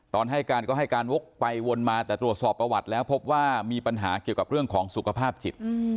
ให้การก็ให้การวกไปวนมาแต่ตรวจสอบประวัติแล้วพบว่ามีปัญหาเกี่ยวกับเรื่องของสุขภาพจิต